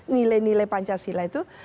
nilai nilai pancasila itu